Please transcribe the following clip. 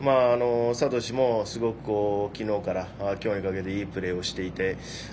智も昨日から今日にかけていいプレーをしていて。